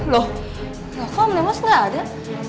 loh kok om lemos gak ada